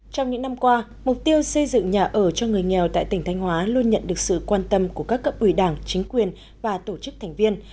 trong những năm qua mục tiêu xây dựng nhà ở cho người nghèo tại tỉnh thanh hóa luôn nhận được sự quan tâm của các cấp ủy đảng chính quyền và tổ chức thành viên